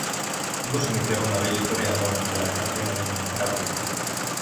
Ambos iniciaron una bella historia de amor de la que nació una niña, Carly.